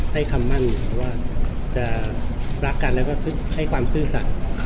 ให้คำมั่นว่าจะรักกันแล้วก็ให้ความซื่อสัตว์